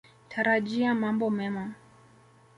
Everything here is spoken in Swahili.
Tarajia mambo mema.